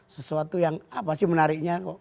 sesuatu yang apa sih menariknya kok